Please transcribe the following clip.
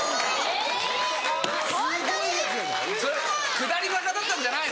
・下り坂だったんじゃないの？